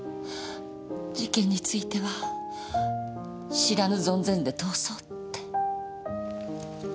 事件については知らぬ存ぜぬで通そうって。